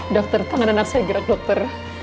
daftar tangan anak saya gerak dokter